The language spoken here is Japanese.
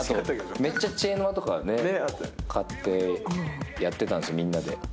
めっちゃ知恵の輪とか買ってやってたんですよ、みんなで。